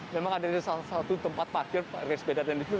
memang ada salah satu tempat parkir sepeda dan itu